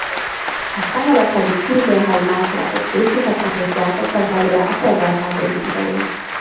A spanyolok pedig szintén helyi másolatot készítettek és gyártottak belőle a polgárháború idején.